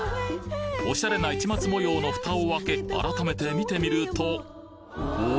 オシャレな市松模様の蓋を開け改めて見てみるとお！